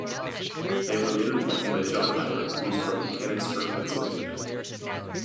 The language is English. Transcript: They were later joined by Jon Howard, who is from Mechanicsburg, Pennsylvania.